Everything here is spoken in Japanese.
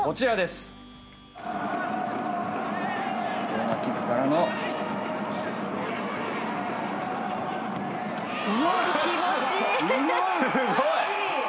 すごい！